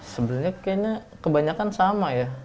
sebenarnya kayaknya kebanyakan sama ya